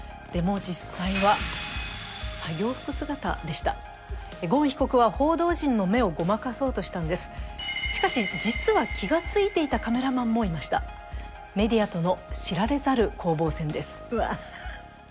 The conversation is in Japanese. でも実際は作業服姿でしたゴーン被告は報道陣の目をごまかそうとしたんですしかし実は気がついていたカメラマンもいましたメディアとの知られざる攻防戦です